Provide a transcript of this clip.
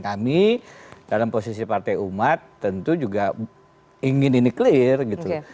kami dalam posisi partai umat tentu juga ingin ini clear gitu